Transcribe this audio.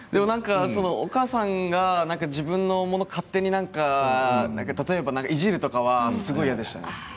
お母さんが自分の物を勝手に例えば、いじるとかはすごい嫌でしたね。